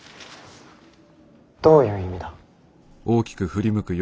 どういう意味だ。